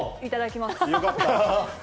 よかった。